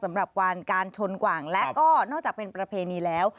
สำหรับการชนกว่างและก็นอกจากเป็นประเพณีแล้ว